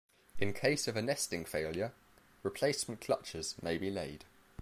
In case of a nesting failure, replacement clutches may be laid.